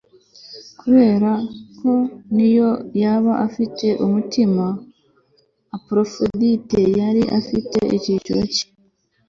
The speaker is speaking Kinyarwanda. Kuberako niyo yaba adafite umutima Aphrodite yari afite igiciro cye